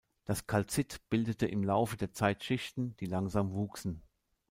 Das Kalzit bildete im Laufe der Zeit Schichten, die langsam wuchsen.